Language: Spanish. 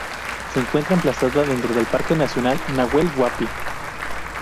Se encuentra emplazada dentro del Parque Nacional Nahuel Huapi.